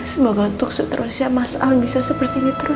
semoga untuk seterusnya mas an bisa seperti ini terus